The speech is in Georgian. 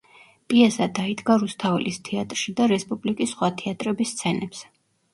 პიესა დაიდგა რუსთაველის თეატრში და რესპუბლიკის სხვა თეატრების სცენებზე.